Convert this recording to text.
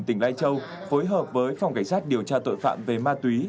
tỉnh lai châu phối hợp với phòng cảnh sát điều tra tội phạm về ma túy